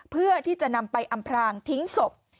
เพื่อที่จะนำไปอำพรางทิ้งศพ